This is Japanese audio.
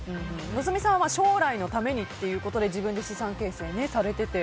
望実さんは将来のためにということで自分で資産形成されていて。